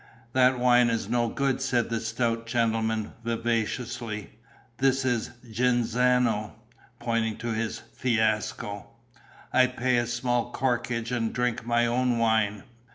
"That wine is no good," said the stout gentleman, vivaciously. "This is Genzano," pointing to his fiasco. "I pay a small corkage and drink my own wine."